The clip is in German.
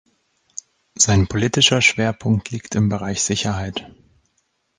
Sein politischer Schwerpunkt liegt im Bereich Sicherheit.